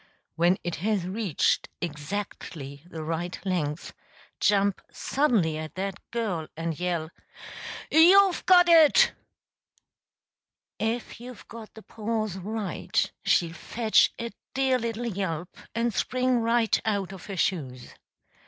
When it has reached exactly the right length, jump suddenly at that girl and yell, "You've got it!") If you've got the pause right, she'll fetch a dear little yelp and spring right out of her shoes.